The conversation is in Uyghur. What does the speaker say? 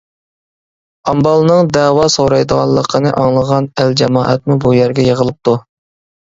ئامبالنىڭ دەۋا سورايدىغانلىقىنى ئاڭلىغان ئەل-جامائەتمۇ بۇ يەرگە يىغىلىپتۇ.